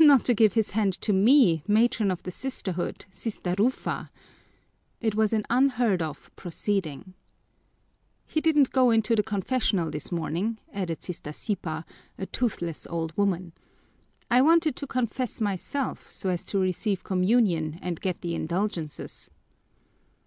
"Not to give his hand to me, Matron of the Sisterhood, Sister Rufa!" It was an unheard of proceeding. "He didn't go into the confessional this morning," added Sister Sipa, a toothless old woman. "I wanted to confess myself so as to receive communion and get the indulgences."